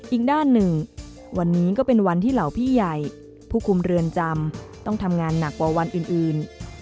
อีกด้านหนึ่งวันนี้ก็เป็นวันที่เหล่าพี่ใหญ่ผู้คุมเรือนจำต้องทำงานหนักกว่าวันอื่น